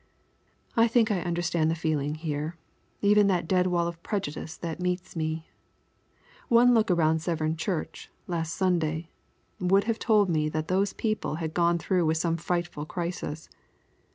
"I think I understand the feeling here even that dead wall of prejudice that meets me. One look around Severn church, last Sunday, would have told me that those people had gone through with some frightful crisis.